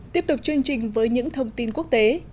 tiếp tục chương trình với những thông tin quốc tế